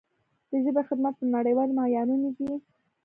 د ژبې خدمت په نړیوالو معیارونو دی.